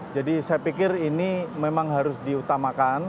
jadi saya pikir ini memang harus diutamakan